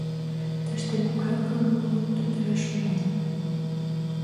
Тыште могай кыл улмым тудо ыш умыло.